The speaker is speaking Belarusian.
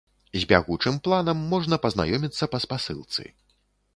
З бягучым планам можна пазнаёміцца па спасылцы.